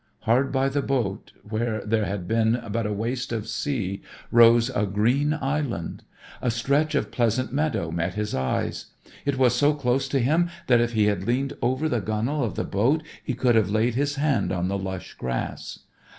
Hard by the boat where there had been but a waste of sea rose a green island. A stretch of pleasant meadow met his eyes. It was so close to him that if he had leaned over the gunwale of the boat he could have laid his hand on the lush grass.